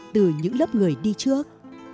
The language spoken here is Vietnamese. từ những lớp người đi trước